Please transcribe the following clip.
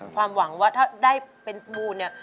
ความหวังว่าถ้าได้เป็นมูลเนี่ย